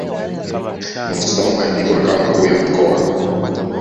Musoma ndipo makao makuu ya mkoa